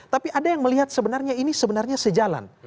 tapi ada yang melihat sebenarnya ini sebenarnya sejalan